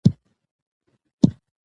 خو موږ به د تاریخ په قضاوت کې بېنومه شو.